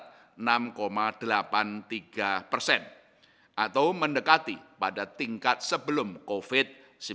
sekitar enam delapan puluh tiga persen atau mendekati pada tingkat sebelum covid sembilan belas